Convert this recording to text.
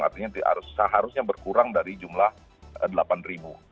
artinya seharusnya berkurang dari jumlah delapan ribu